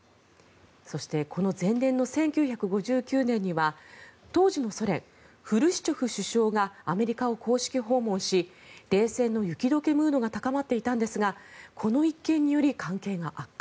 そしてこの前年の１９５９年には当時のソ連、フルシチョフ首相がアメリカを公式訪問し冷戦の雪解けムードが高まっていたんですがこの一件により関係が悪化。